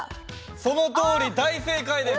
そのとおり大正解です！